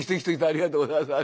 ありがとうございます。